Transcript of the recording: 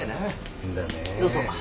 どうぞ。